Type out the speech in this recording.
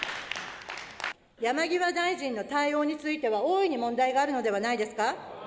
山際大臣の対応については大いに問題があるのではないですか。